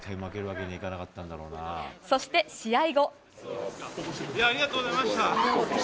そして、試合後。